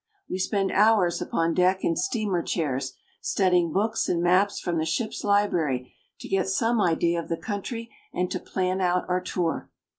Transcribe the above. We spend hours upon deck in steamer chairs, studying books and maps from the ship's library to get some idea of the country and to plan out our tour.